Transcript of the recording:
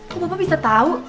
kok bapak bisa tau